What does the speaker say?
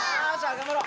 頑張ろう！